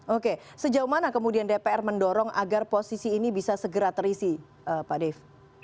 oke sejauh mana kemudian dpr mendorong agar posisi ini bisa segera terisi pak dave